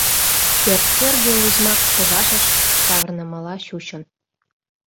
Пӧрткӧргӧ узьмак пыжашыш савырнымыла чучын.